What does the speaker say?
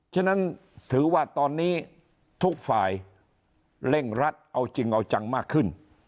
ฉะนั้นถือว่าตอนนี้ทุกฝ่ายเร่งรัดเอาจริงเอาจังมากขึ้น